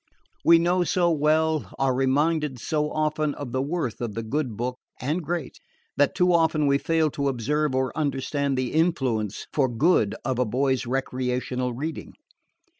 We know so well, are reminded so often of the worth of the good book and great, that too often we fail to observe or understand the influence for good of a boy's recreational reading.